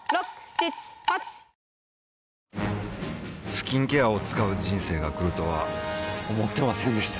スキンケアを使う人生が来るとは思ってませんでした